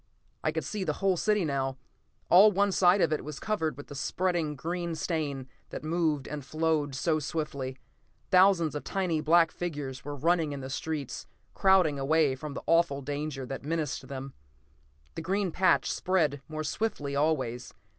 I could see the whole city now. All one side of it was covered with the spreading green stain that moved and flowed so swiftly. Thousands of tiny black figures were running in the streets, crowding away from the awful danger that menaced them. The green patch spread more swiftly always.